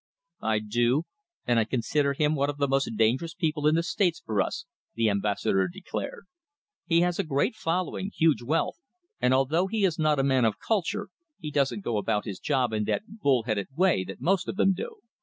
"I do, and I consider him one of the most dangerous people in the States for us," the Ambassador declared. "He has a great following, huge wealth, and, although he is not a man of culture, he doesn't go about his job in that bull headed way that most of them do."